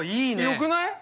◆よくない？